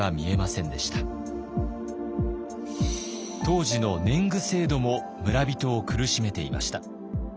当時の年貢制度も村人を苦しめていました。